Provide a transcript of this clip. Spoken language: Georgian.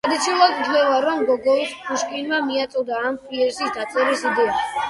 ტრადიციულად ითვლება, რომ გოგოლს პუშკინმა მიაწოდა ამ პიესის დაწერის იდეა.